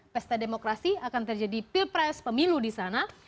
pesta demokrasi akan terjadi pilpres pemilu disana